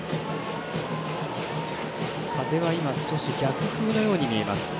風は、逆風のように見えます。